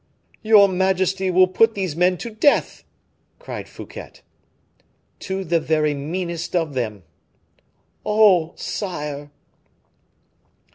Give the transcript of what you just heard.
"Your majesty will put these men to death!" cried Fouquet. "To the very meanest of them." "Oh! sire."